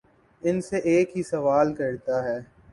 ان سے ایک ہی سوال کرتا ہے